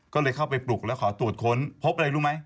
ก็เลยเข้าไปปลุกแล้วขอตรวจค้นพบอะไรรู้ไหม